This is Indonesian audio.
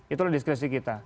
itulah diskresi kita